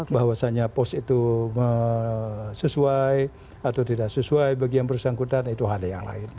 bahwasannya pos itu sesuai atau tidak sesuai bagi yang bersangkutan itu ada yang lain